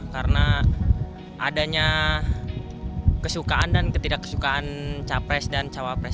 karena adanya kesukaan dan ketidakkesukaan capres dan cawapres